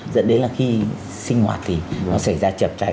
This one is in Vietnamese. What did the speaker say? dẫn đến là khi sinh hoạt thì nó xảy ra chập cháy